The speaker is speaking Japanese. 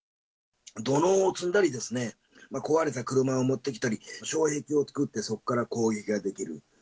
土のうを積んだり、壊れた車を持ってきたり、障壁を作って、そこから攻撃ができる。